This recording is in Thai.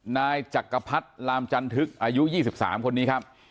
นายจักรพรรดิลามจันทึกอายุ๒๓คนนี้ครับ